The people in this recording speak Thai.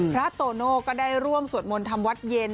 พระโตโนก็ได้ร่วมสวดมนต์ธรรมวัดเย็น